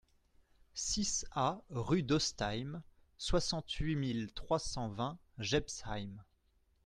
six A rue d'Ostheim, soixante-huit mille trois cent vingt Jebsheim